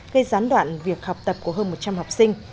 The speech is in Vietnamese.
gây gián đoạn việc học tập của hơn một trăm linh học sinh